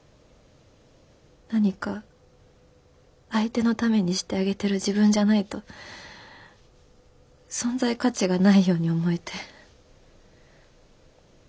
何か相手のためにしてあげてる自分じゃないと存在価値がないように思えて。